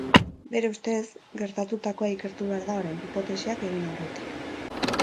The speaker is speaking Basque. Bere ustez, gertatutakoa ikertu behar da orain, hipotesiak egin aurretik.